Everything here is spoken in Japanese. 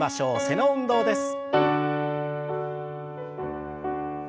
背の運動です。